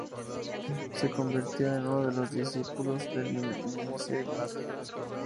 Se convirtió en uno de los discípulos del misionero.